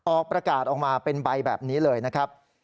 ออกประกาศออกมาเป็นใบแบบนี้เลยนะครับ